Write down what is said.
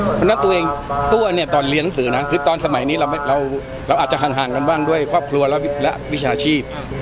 เพราะฉะนั้นตัวเองตัวเนี่ยตอนเรียนหนังสือนะคือตอนสมัยนี้เราอาจจะห่างกันบ้างด้วยครอบครัวและวิชาชีพ